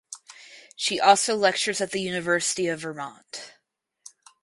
She also lectures at the University of Vermont.